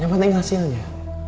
yang penting hasilnya